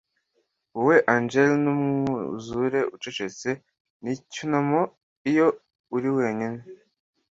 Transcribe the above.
Wowe Angler, n'umwuzure ucecetse; N'icyunamo iyo uri wenyine